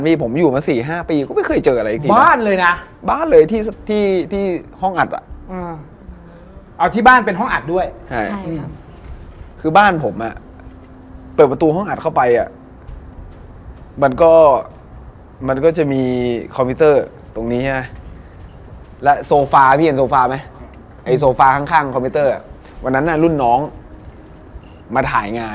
ตัวอยู่นอกบ้านแล้วก็จับอย่างเงี้ยพี่แล้วก็เหยา